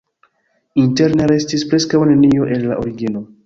Interne restis preskaŭ nenio el la origino.